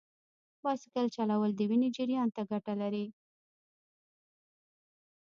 بایسکل چلول د وینې جریان ته ګټه لري.